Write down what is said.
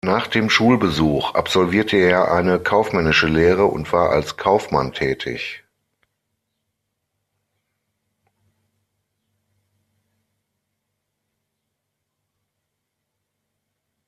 Nach dem Schulbesuch absolvierte er eine kaufmännische Lehre und war als Kaufmann tätig.